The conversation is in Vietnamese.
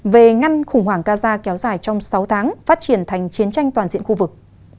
về ngăn khủng hoảng gaza kéo dài trong sáu tháng phát triển thành chiến tranh toàn diện khu vực